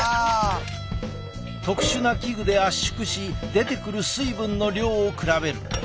特殊な器具で圧縮し出てくる水分の量を比べる。